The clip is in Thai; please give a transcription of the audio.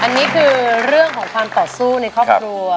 อันนี้คือเรื่องของความต่อสู้ในครอบครัว